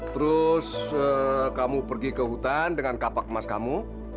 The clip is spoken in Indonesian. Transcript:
terus kamu pergi ke hutan dengan kapak emas kamu